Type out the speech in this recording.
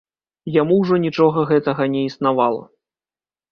Яму ўжо нічога гэтага не існавала.